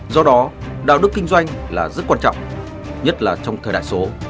do đó đạo đức kinh doanh là rất quan trọng nhất là trong thời đại số